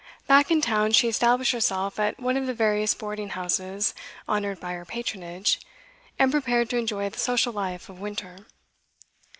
Back in town she established herself at one of the various boarding houses honoured by her patronage, and prepared to enjoy the social life of winter.